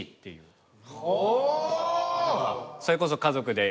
それこそ家族で。